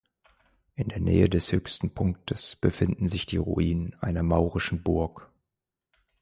In der Nähe des höchsten Punktes befinden sich die Ruinen einer maurischen Burg.